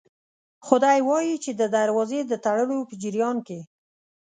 خو دی وايي چې د دروازې د تړلو په جریان کې